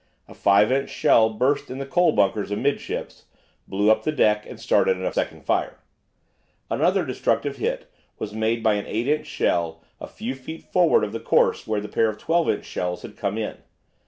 A 5 inch shell burst in the coal bunkers amidships, blew up the deck, and started a second fire. Another destructive hit was made by an 8 inch shell a few feet forward of the point where the pair of 12 inch shells had come in.